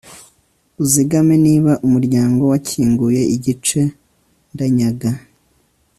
uzigame niba umuryango wakinguye igice, ndanyaga